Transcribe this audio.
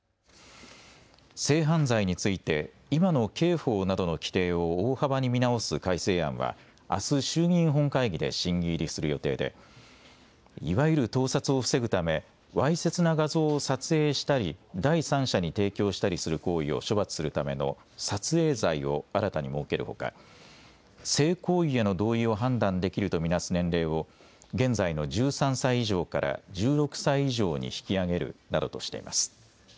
性犯罪について今の刑法などの規定を大幅に見直す改正案はあす衆議院本会議で審議入りする予定でいわゆる盗撮を防ぐためわいせつな画像を撮影したり第三者に提供したりする行為を処罰するための撮影罪を新たに設けるほか性行為への同意を判断できると見なす年齢を現在の１３歳以上から１６歳以上に引き上げるなどとしています。